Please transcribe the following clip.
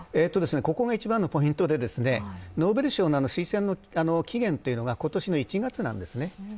ここが一番のポイントで、ノーベル賞の推薦の期限が今年の１月なんですね。